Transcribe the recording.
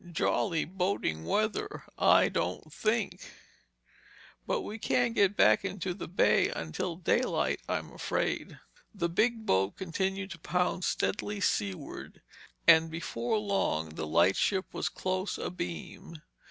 Jolly boating weather, I don't think! And we can't get back into the bay until daylight, I'm afraid." The big boat continued to pound steadily seaward and before long the lightship was close abeam.